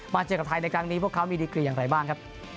เจอกับไทยในครั้งนี้พวกเขามีดีกรีอย่างไรบ้างครับ